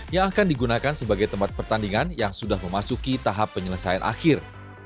yang akan digunakan sebagai tempat pertandingan yang sudah memasuki tahap penyelesaian akhir